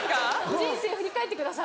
人生振り返ってください。